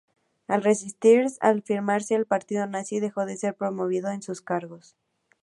Al resistirse a afiliarse al Partido Nazi dejó de ser promovido en sus cargos.